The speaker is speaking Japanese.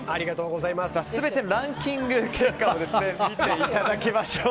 全てのランキング結果を見ていただきましょう。